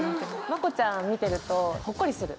まこちゃん見てるとほっこりする。